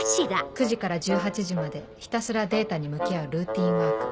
９時から１８時までひたすらデータに向き合うルーティンワーク